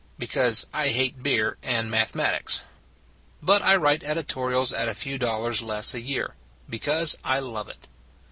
Because I hate beer and mathematics. But I write editorials at a few dollars less a year, because I love it.